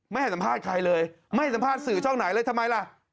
ไม่ให้สัมภาษณ์ใครเลยไม่สัมภาษณ์สื่อช่องไหนเลยทำไมล่ะ